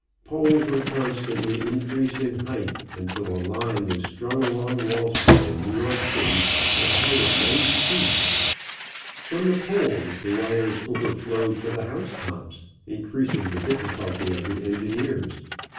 Poles were constantly increased in height until a line was strung along Wall Street in New York City at a height of ninety feet. From the poles the wires overflowed to the housetops, increasing the difficulty of the engineers.